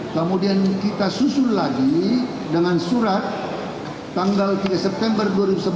kemudian kita susun lagi dengan surat tanggal tiga september dua ribu sebelas